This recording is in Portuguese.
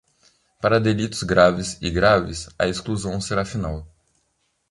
Para delitos graves e graves, a exclusão será final.